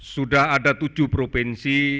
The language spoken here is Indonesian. sudah ada tujuh provinsi